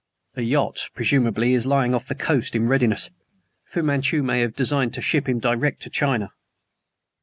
"A yacht, presumably, is lying off the coast in readiness. Fu Manchu may even have designed to ship him direct to China."